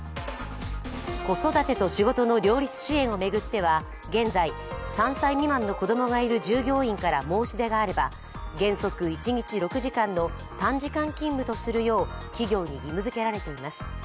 子育てと仕事の両立支援を巡っては、現在３歳未満の子供がいる従業員から申し出があれば原則一日６時間の短時間勤務とするよう企業に義務づけられています。